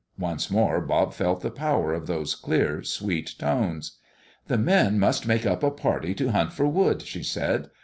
Once more Bob felt the power of those clear, sweet tones. "The men must make up a party to hunt for wood," she said.